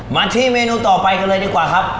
มาที่เมนูต่อไปกันเลยดีกว่าครับ